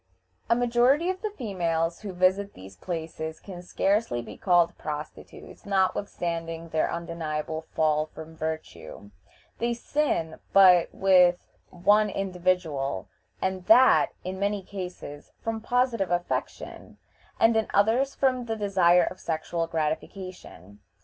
A majority of the females who visit these places can scarcely be called prostitutes, notwithstanding their undeniable fall from virtue. They sin but with one individual, and that, in many cases, from positive affection, and in others from the desire of sexual gratification.